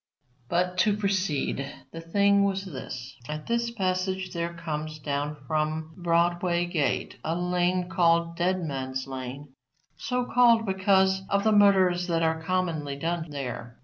But, to proceed, the thing was this. At this passage there comes down from Broadway gate a lane called Dead Man's lane, so called because of the murders that are commonly done there.